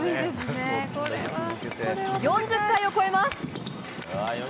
４０回を超えます。